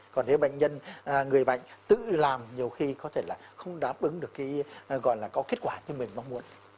còn nếu bệnh nhân người bệnh tự làm nhiều khi có thể là không đáp ứng được cái gọi là có kết quả như mình mong muốn